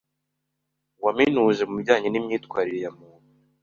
waminuje mu bijyanye n’imyitwarire ya muntu